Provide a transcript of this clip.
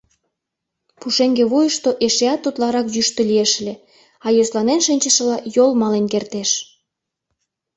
Пушеҥге вуйышто эшеат утларак йӱштӧ лиеш ыле, а йӧсланен шинчышыла йол мален кертеш.